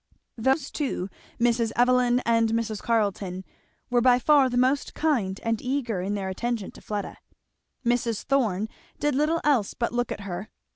Those two, Mrs. Evelyn and Mrs. Carleton, were by far the most kind and eager in their attention to Fleda. Mrs. Thorn did little else but look at her.